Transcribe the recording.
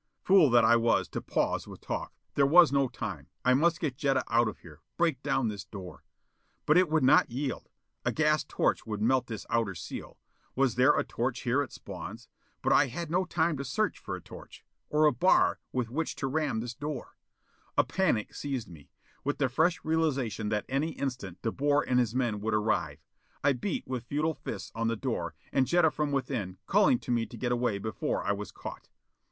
Fool that I was, to pause with talk! There was no time: I must get Jetta out of here. Break down this door. But it would not yield. A gas torch would melt this outer seal. Was there a torch here at Spawn's? But I had no time to search for a torch! Or a bar with which to ram this door A panic seized me, with the fresh realization that any instant De Boer and his men would arrive. I beat with futile fists on the door, and Jetta from within, calling to me to get away before I was caught.